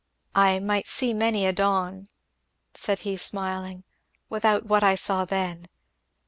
"I might see many a dawn," said he smiling, "without what I saw then.